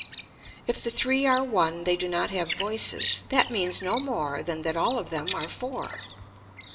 If the three are one they do not have voices, that means no more than that all of them are four.